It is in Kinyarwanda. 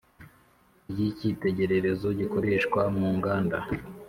Ry icyitegererezo gikoreshwa mu nganda